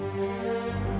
aku mau ke rumah